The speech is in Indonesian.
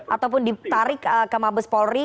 ataupun ditarik ke mabes polri